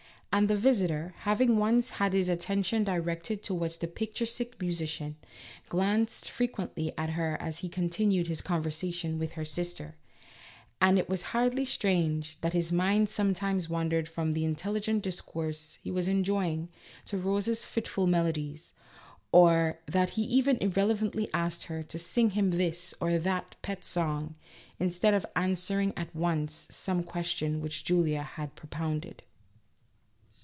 And the visitor, having once had his attention directed towards the picturesque musician, glanced frequently at her as he continued his conversation with her sister, and it was hardly strange that his mind sometimes wandered from the intelligent discourse he was enjoying, to Rose's fitful melodies, or that he even irrelevantly asked her to sing him this or that pet song, instead of answering at once some question which Julia had propounded.